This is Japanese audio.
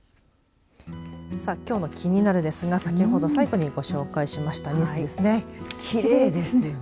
さあ、きょうのキニナル！ですが先ほど最後にご紹介しましたニュースですね。